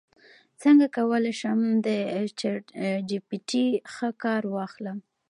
څنګه کولی شم د چیټ جی پي ټي ښه کار واخلم